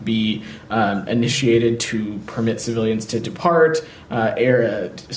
bisa diinitiasi untuk membenarkan pemerintah untuk berhenti